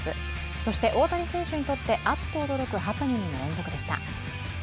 そして大谷選手にとってあっと驚くハプニングの連続でした。